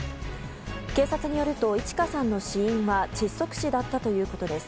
警察によるといち花さんの死因は窒息死だったということです。